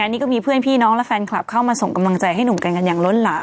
ที่กรมอุทยานแห่งชาติสัตว์ปลา